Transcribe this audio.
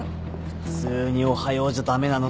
普通に「おはよう」じゃ駄目なの？